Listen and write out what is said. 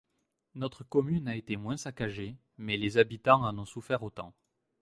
Notre commune a été moins saccagée, mais les habitants en ont souffert autant.